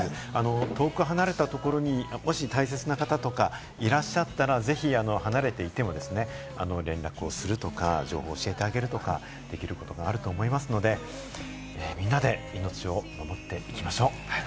遠く離れたところにもし大切な方とかいらっしゃったら、ぜひ離れていても連絡をするとか、情報を教えてあげるとか、できることがあると思みんなで命を守っていきましょう。